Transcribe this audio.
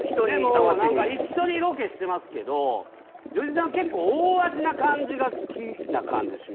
でもなんか一緒にロケしてますけど良純さんは結構大味な感じが好きな感じがします。